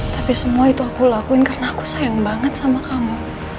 tapi semua itu aku lakuin karena aku sayang banget sama kamu